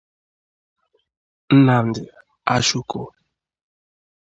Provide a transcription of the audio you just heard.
Nnamdị Achuko